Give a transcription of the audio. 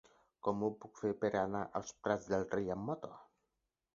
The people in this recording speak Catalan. Com ho puc fer per anar als Prats de Rei amb moto?